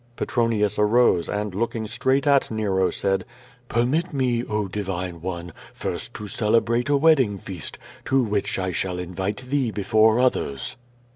Petronius arose and, looking straight at Nero, said: "Permit me, oh, divine one, iirst to celebrate a wedding feast, to which I shall invite thee before others."